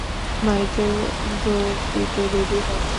Michael, দৌড় দিতে ready হ।